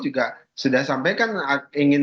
juga sudah sampaikan ingin